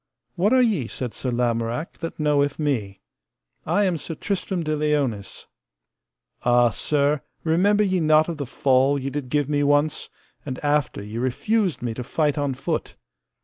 What are ye, said Sir Lamorak, that knoweth me? I am Sir Tristram de Liones. Ah, sir, remember ye not of the fall ye did give me once, and after ye refused me to fight on foot.